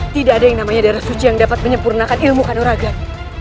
tidak ada yang namanya darah suci yang dapat menyempurnakan ilmu kanoragan